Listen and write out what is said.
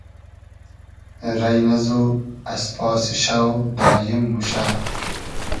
رݷ نئزو از پاسی شۆ داییم موشۂ